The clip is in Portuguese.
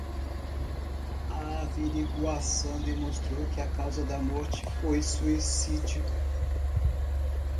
A averiguação demonstrou que a causa da morte foi suicídio